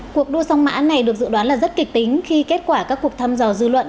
cuộc đua song mã này được dự đoán là rất kịch tính khi kết quả các cuộc thăm dò dư luận